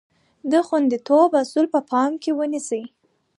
د خوندیتوب اصول په پام کې ونیسئ.